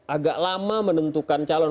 agak lama menentukan calon